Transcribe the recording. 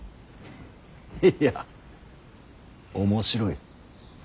いや面白い。